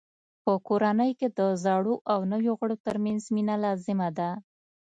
په کورنۍ کې د زړو او نویو غړو ترمنځ مینه لازمه ده.